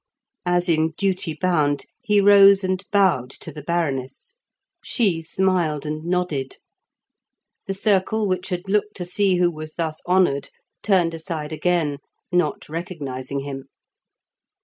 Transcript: As in duty bound, he rose and bowed to the Baroness; she smiled and nodded; the circle which had looked to see who was thus honoured, turned aside again, not recognising him.